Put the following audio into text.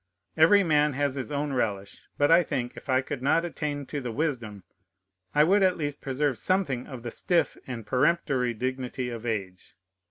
Every man has his own relish; but I think, if I could not attain to the wisdom, I would at least preserve something of the stiff and peremptory dignity of age.